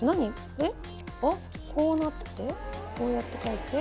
えっこうなってこうやって書いて。